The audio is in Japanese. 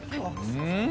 うん？